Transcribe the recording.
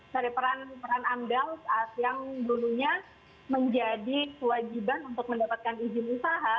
sorry peran peran amdal saat yang dulunya menjadi kewajiban untuk mendapatkan izin usaha